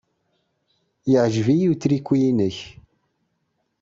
Yeɛjeb-iyi utriku-nnek.